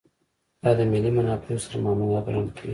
دا د ملي منافعو سره معامله ګڼل کېږي.